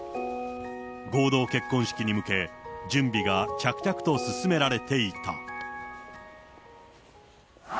合同結婚式に向け、準備が着々と進められていた。